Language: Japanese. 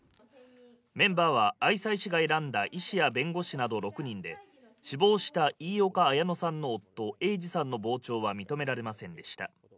メンバーは愛西市が選んだ医師や弁護士など６人で死亡した飯岡綾乃さんの夫、英治さんの傍聴は認められませんでした。